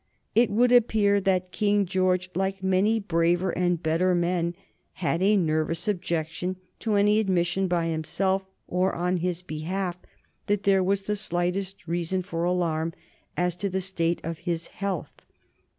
It would appear that King George, like many braver and better men, had a nervous objection to any admission by himself or on his behalf that there was the slightest reason for alarm as to the state of his health.